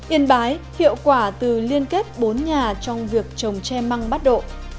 yên bái hiệu quả từ liên kết bốn nhà trong việc trồng tre măng bắt độ